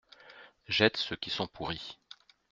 Jette ceux qui sont pourris.